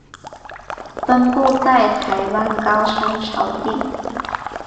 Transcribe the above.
分布在台湾高山草地。